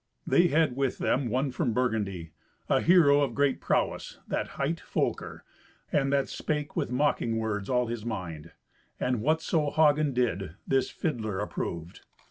They had with them one from Burgundy, a hero of great prowess, that hight Folker, and that spake with mocking words all his mind. And whatso Hagen did, this fiddler approved.